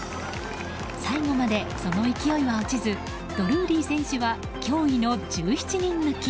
最後までその勢いは落ちずドルーリー選手は驚異の１７人抜き。